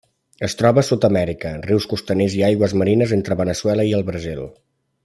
Es troba a Sud-amèrica: rius costaners i aigües marines entre Veneçuela i el Brasil.